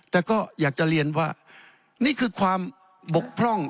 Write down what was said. แต่ก็อยากจะเรียนว่านี่คือความบกพร่อง